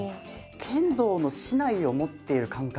剣道の竹刀を持っている感覚。